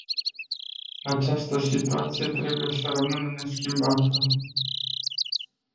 Această situație trebuie să rămână neschimbată.